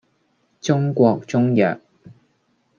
中國中藥